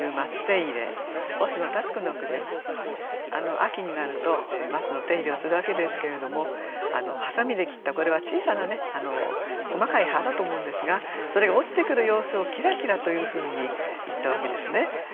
秋になると松の手入れをするわけですけれどもはさみで切ったこれは小さな細かい葉だと思うんですがそれが落ちてくる様子を「きらきら」というふうにいったわけですね。